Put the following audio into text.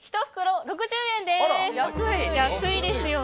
１袋６０円です。